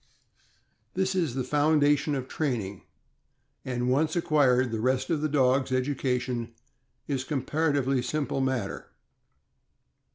This is the foundation of training, and, once acquired, the rest of the dog's education is a comparatively simple matter.